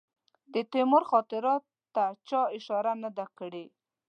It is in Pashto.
د تیمور خاطراتو ته چا اشاره نه ده کړې.